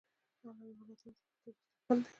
علم د ملتونو ترمنځ د دوستی پل دی.